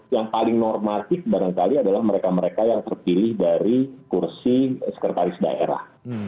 yang paling normatif barangkali adalah mereka mereka yang terpilih dari kursi sekretaris daerah